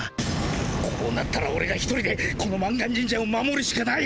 こうなったらオレが一人でこの満願神社を守るしかない！